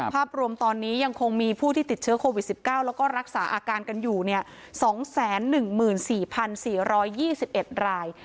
ภาพรวมตอนนี้ยังคงมีผู้ที่ติดเชื้อโควิด๑๙แล้วก็รักษาอาการกันอยู่๒๑๔๔๒๑ราย